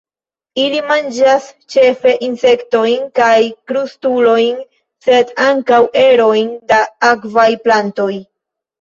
Ili manĝas ĉefe insektojn kaj krustulojn, sed ankaŭ erojn da akvaj plantoj.